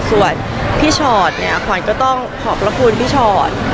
ส่วนพี่ชอตเนี่ยขวัญก็ต้องขอบพระคุณพี่ชอต